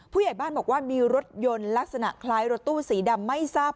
ผู้ใหญ่บ้านบอกว่ามีรถยนต์ลักษณะคล้ายรถตู้สีดำไม่ทราบ